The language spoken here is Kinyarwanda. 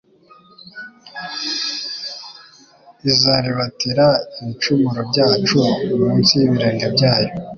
izaribatira ibicumuro byacu munsi y'ibirenge byayo